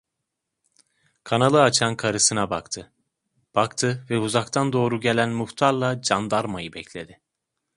Kanalı açan karısına baktı, baktı ve uzaktan doğru gelen muhtarla candarmayı bekledi.